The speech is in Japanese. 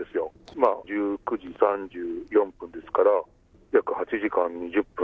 今、１９時３４分ですから、約８時間２０分。